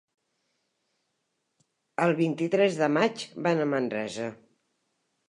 El vint-i-tres de maig van a Manresa.